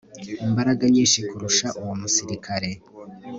imbaraga nyinshi kurusha uwo musirikare